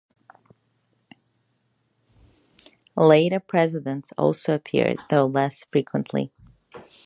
Later presidents also appeared, though less frequently.